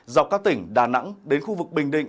dọc các tỉnh đà nẵng đến khu vực bình định